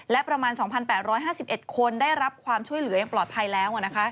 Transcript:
และประมาณ๒๘๕๑คนได้รับความช่วยเหลือยังปลอดภัยแล้ว